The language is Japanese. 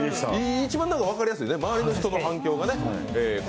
一番分かりやすいね、周りの人の反響がね。